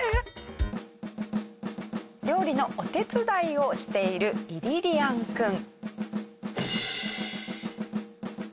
料理のお手伝いをしているイリリアンくん。